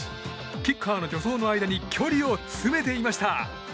キッカーの助走の間に距離を詰めていました。